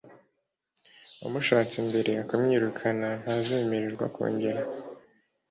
Wamushatse mbere akamwirukana ntazemererwa kongera